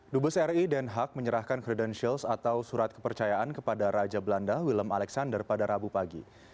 dubes ri den haag menyerahkan credentials atau surat kepercayaan kepada raja belanda willem alexander pada rabu pagi